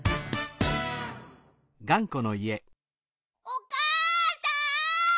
・おかあさん！